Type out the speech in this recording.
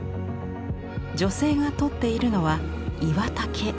女性がとっているのは岩茸。